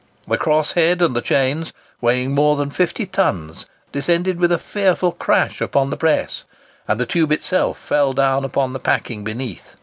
The crosshead and the chains, weighing more than 50 tons, descended with a fearful crash upon the press, and the tube itself fell down upon the packing beneath.